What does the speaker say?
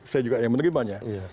saya juga yang menerimanya